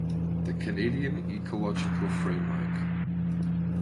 The Canadian ecological framework.